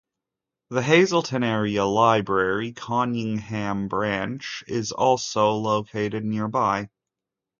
The Hazleton Area Library, Conyngham Branch, is also located nearby.